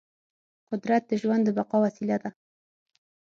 قدرت د ژوند د بقا وسیله ده.